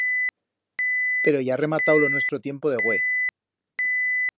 Pero ya ha rematau lo nuestro tiempo de hue.